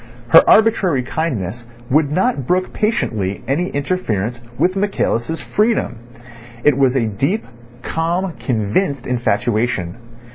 Her arbitrary kindness would not brook patiently any interference with Michaelis' freedom. It was a deep, calm, convinced infatuation.